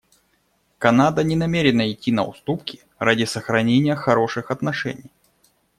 Канада не намерена идти на уступки ради сохранения хороших отношений.